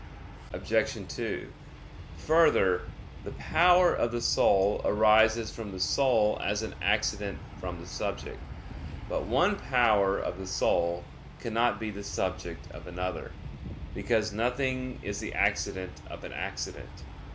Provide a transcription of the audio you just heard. Obj. 2: Further, the power of the soul arises from the soul as an accident from the subject. But one power of the soul cannot be the subject of another; because nothing is the accident of an accident.